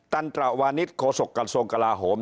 ตันตระวานิศโขสกัลโสงกราโหม